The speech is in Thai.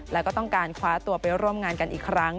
แล้วก็ต้องการคว้าตัวไปร่วมงานกันอีกครั้ง